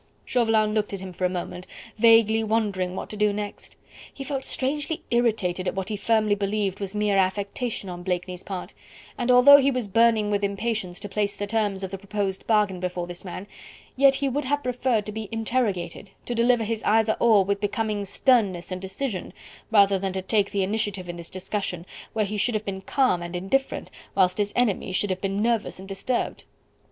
Chauvelin looked at him for a moment, vaguely wondering what to do next. He felt strangely irritated at what he firmly believed was mere affectation on Blakeney's part, and although he was burning with impatience to place the terms of the proposed bargain before this man, yet he would have preferred to be interrogated, to deliver his "either or" with becoming sternness and decision, rather than to take the initiative in this discussion, where he should have been calm and indifferent, whilst his enemy should have been nervous and disturbed.